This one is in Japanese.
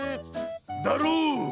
だろう？